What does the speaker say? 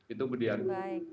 itu berdian bu